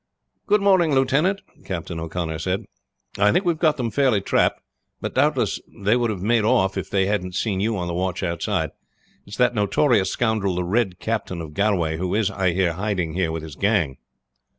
"Good morning, lieutenant," Captain O'Connor said. "I think we have got them fairly trapped; but doubtless they would have made off if they hadn't seen you on the watch outside. It's that notorious scoundrel the Red Captain of Galway who is, I hear, hiding here with his gang."